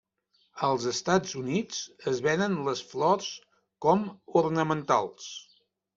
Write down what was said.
Als Estats Units es venen les flors com ornamentals.